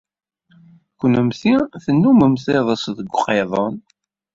Kennemti tennummemt iḍes deg uqiḍun.